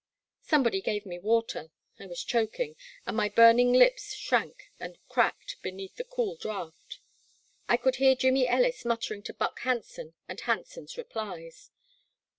Somebody gave me water, — I was choking,— and my burning lips shrank and cracked beneath the cool draught. I could hear Jimmy Ellis muttering to Buck Hanson, and Hanson's replies.